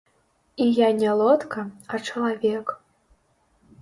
І я не лодка, а чалавек.